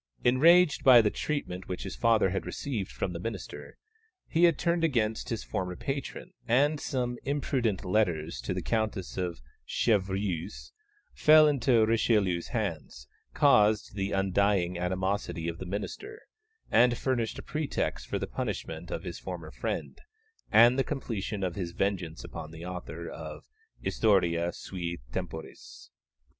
Enraged by the treatment which his father had received from the minister, he had turned against his former patron, and some imprudent letters to the Countess of Chevreuse, which fell into Richelieu's hands, caused the undying animosity of the minister, and furnished a pretext for the punishment of his former friend, and the completion of his vengeance upon the author of Historia sui temporis.